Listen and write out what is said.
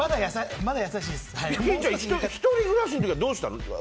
１人暮らしの時はどうしてたの？